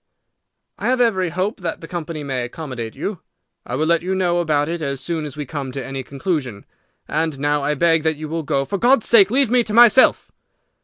"I have every hope that the company may accommodate you. I will let you know about it as soon as we come to any conclusion. And now I beg that you will go. For God's sake leave me to myself!"